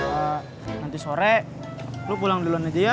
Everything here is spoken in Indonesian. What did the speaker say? pak nanti sore lo pulang duluan aja ya